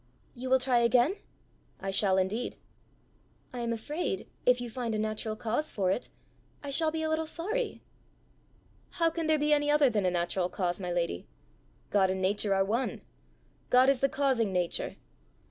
"You will try again?" "I shall indeed." "I am afraid, if you find a natural cause for it, I shall be a little sorry." "How can there be any other than a natural cause, my lady? God and Nature are one. God is the causing Nature.